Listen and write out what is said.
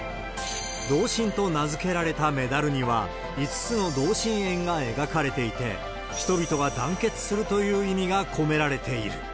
同心と名付けられたメダルには、５つの同心円が描かれていて、人々が団結するという意味が込められている。